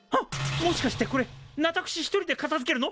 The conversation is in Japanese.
もしかしてこれ私一人でかたづけるの！？